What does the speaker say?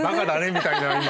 みたいな今。